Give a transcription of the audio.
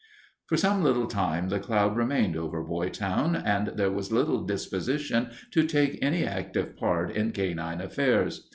For some little time the cloud remained over Boytown and there was little disposition to take any active part in canine affairs.